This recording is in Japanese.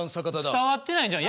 伝わってないじゃん。